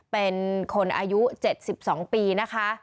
เป็นคนอายุ๗๒ปีนะคะ